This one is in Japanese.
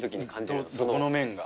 どこの面が？